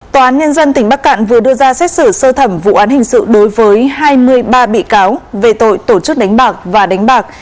tòa án nhân dân tỉnh bắc cạn vừa đưa ra xét xử sơ thẩm vụ án hình sự đối với hai mươi ba bị cáo về tội tổ chức đánh bạc và đánh bạc